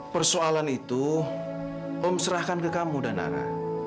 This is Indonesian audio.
persoalan itu om serahkan ke kamu dan nara